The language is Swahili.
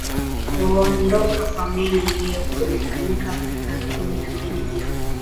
kuondoka kwa meli hiyo kulifanyika saa kumi na mbili jioni